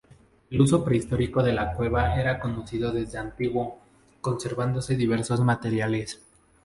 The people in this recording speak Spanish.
El uso prehistórico de la Cueva era conocido desde antiguo, conservándose diversos materiales.